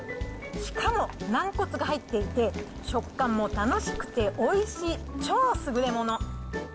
しかも、なんこつが入っていて、食感も楽しくておいしい超優れもの。